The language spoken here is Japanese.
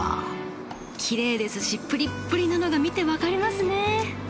きれいですしプリップリなのが見て分かりますね。